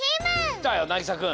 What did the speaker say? きたよなぎさくん。